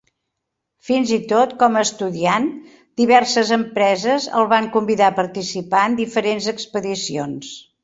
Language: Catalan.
Fins i tot com a estudiant, diverses empreses el van convidar a participar en diferents expedicions.